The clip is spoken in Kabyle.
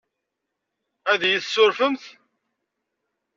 Ad iyi-tessurfemt?